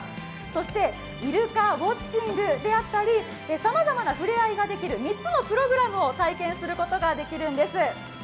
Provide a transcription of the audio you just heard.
そしてイルカウォッチングであったり、さまざまなふれあいができる３つのプログラムを体験することができるんです。